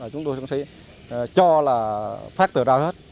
chúng tôi sẽ cho là phát tờ rao hết